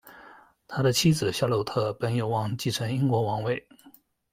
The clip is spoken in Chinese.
他的妻子夏洛特本有望继承英国王位。